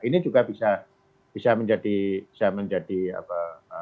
ini juga bisa menjadi bisa menjadi apa